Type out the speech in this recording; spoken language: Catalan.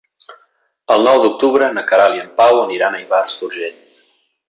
El nou d'octubre na Queralt i en Pau aniran a Ivars d'Urgell.